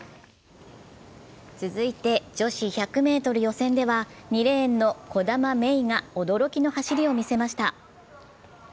続いて女子１００ｍ予選では２レーンの兒玉芽生が驚きの走りを見せました。